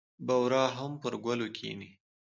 بورا هم پر ګلو کېني.